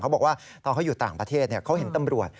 บอกว่าตอนเขาอยู่ต่างประเทศเขาเห็นตำรวจ